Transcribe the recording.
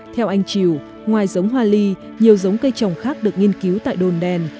theo anh triều ngoài giống hoa ly nhiều giống cây trồng khác được nghiên cứu tại đồn đèn